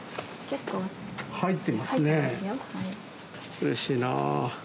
うれしいな。